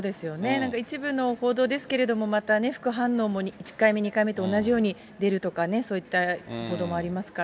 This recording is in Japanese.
なんか一部の報道ですけれども、また、副反応も１回目、２回目と同じように出るとかね、そういった報道もありますから。